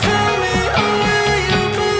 aku mau ngeliatin apaan